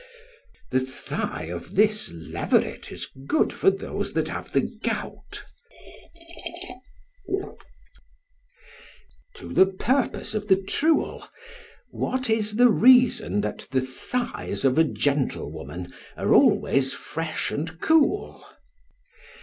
The thigh of this leveret is good for those that have the gout. To the purpose of the truel, what is the reason that the thighs of a gentlewoman are always fresh and cool?